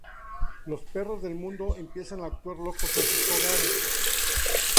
Los perros del mundo empiezan a actuar locos en sus hogares.